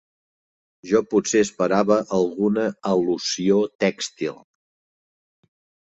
Jo potser esperava alguna al·lusió tèxtil.